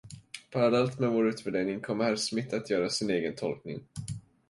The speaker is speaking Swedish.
Parallellt med vår utvärdering kommer herr Smith att göra sin egen tolkning.